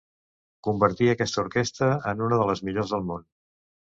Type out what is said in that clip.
Convertí aquesta orquestra en una de les millors del món.